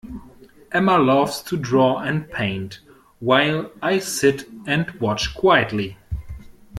Emma loves to draw and paint, while I sit and watch quietly